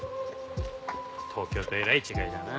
東京とえらい違いだな。